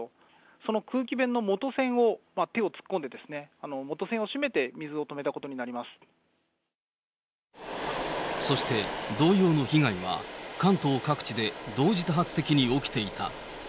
その空気弁の元栓を手を突っ込んで、元栓を締めて、そして同様の被害は、関東各地で同時多発的に起きていた。